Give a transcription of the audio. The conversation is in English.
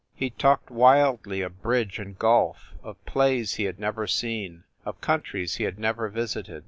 He talked wildly of bridge and golf, of plays he had never seen, of countries he had never visited.